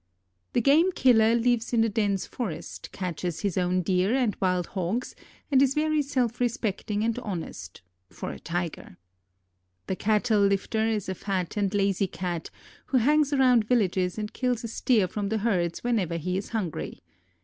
The "game killer" lives in the dense forest, catches his own deer and wild hogs and is very self respecting and honest, for a Tiger. The "cattle lifter" is a fat and lazy cat, who hangs around villages and kills a steer from the herds whenever he is hungry.